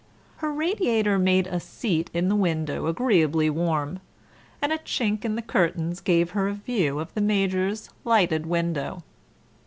Her radiator made a seat in the window agreeably warm, and a chink in the curtains gave her a view of the Major's lighted window.